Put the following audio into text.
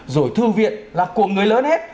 rồi thư viện là của người lớn hết